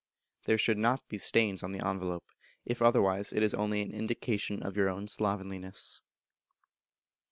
There should not be stains on the envelope; if otherwise, it is only an indication of your own slovenliness.